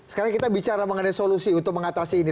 sekarang kita bicara mengenai solusi untuk mengatasi ini